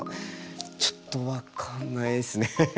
ちょっと分かんないですね。